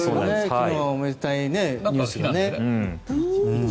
昨日はおめでたいニュースが。